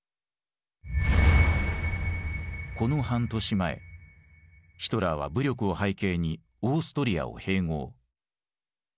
この半年前ヒトラーは武力を背景にオーストリアを併合。